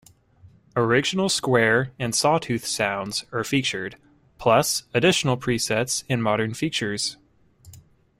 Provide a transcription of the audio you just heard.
Original Square and Saw tooth sounds are featured, plus additional presets and modern features.